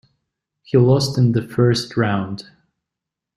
He lost in the first round.